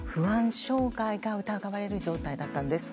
障害が疑われる状態だったんです。